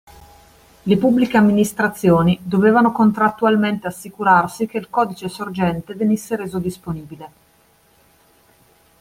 Le Pubbliche Amministrazioni dovevano contrattualmente assicurarsi che il codice sorgente venisse reso disponibile.